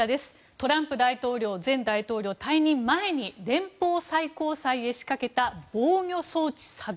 トランプ前大統領、退任前に連邦最高裁へ仕掛けた防御装置作動。